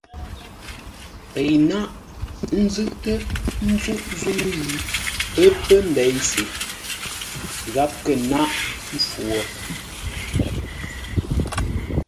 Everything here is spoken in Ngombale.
Pei náʼ, ə́ nzʉ́ʼtə́ ńzúʼ zə̂u yi ə́ pə́ ndei se!” Gháp kə̂ nâʼ mpfu wo.